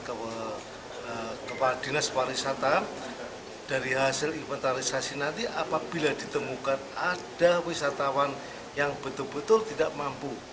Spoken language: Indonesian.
kepala dinas pariwisata dari hasil inventarisasi nanti apabila ditemukan ada wisatawan yang betul betul tidak mampu